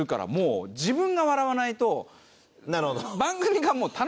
なるほど。